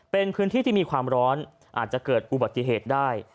เป็นพื้นที่ที่มีความร้อนอาจจะเกิดอุบัติเหตุได้